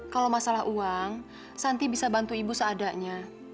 kalau masalah uang santi bisa bantu ibu seadanya